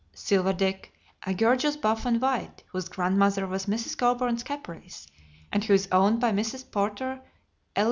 Silver Dick, a gorgeous buff and white, whose grandmother was Mrs. Colburn's Caprice, and who is owned by Mrs. Porter L.